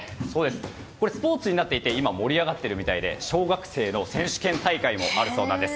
これ、スポーツになっていて今盛り上がっているみたいで小学生の選手権大会もあるそうなんです。